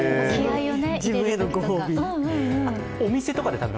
自分へのご褒美に。